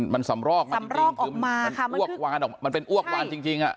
อ๋อมันสำรอกสำรอกออกมามันอ้วกวานออกมามันเป็นอ้วกวานจริง